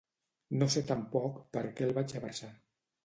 No sé tampoc per què el vaig abraçar.